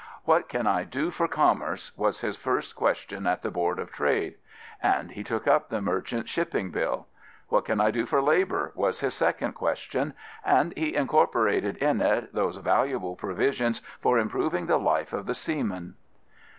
What can I do for commerce ?" was his first ques tion at the Board of Trade. And he took up the Merchant Shipping Bill. What can I do for labour ?" was his second question. And he incorporated in it those valuable provisions for improving the life of the seamen.